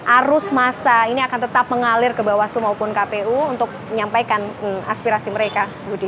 arus massa ini akan tetap mengalir ke bawah seluruh maupun kpu untuk menyampaikan aspirasi mereka